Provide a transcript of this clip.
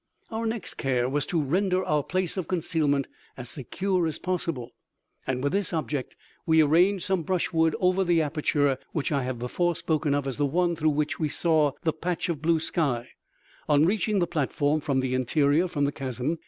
Our next care was to render our place of concealment as secure as possible, and with this object, we arranged some brushwood over the aperture which I have before spoken of as the one through which we saw the patch of blue sky, on reaching the platform from the interior of the chasm.